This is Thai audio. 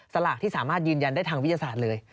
สลากที่สามารถยืนยันได้ทางวิทยาศาสตร์เลย